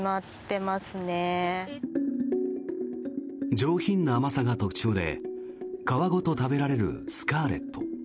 上品な甘さが特徴で皮ごと食べられるスカーレット。